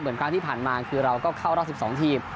ครั้งที่ผ่านมาคือเราก็เข้ารอบ๑๒ทีม